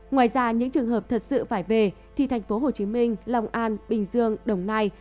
ngoài ra những trường hợp thật sự phải về thì tp hcm long an bình dương đồng nai